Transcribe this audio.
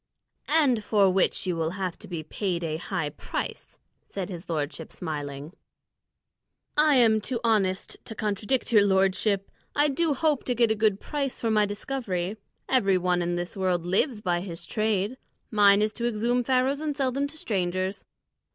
"And for which you will have to be paid a high price," said his lordship, smiling. "I am too honest to contradict your lordship; I do hope to get a good price for my discovery. Every one in this world lives by his trade. Mine is to exhume Pharaohs and sell them to strangers.